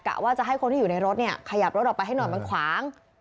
ว่าจะให้คนที่อยู่ในรถเนี่ยขยับรถออกไปให้หน่อยมันขวาง